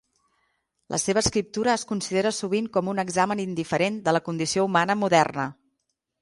La seva escriptura es considera sovint com un examen indiferent de la condició humana moderna.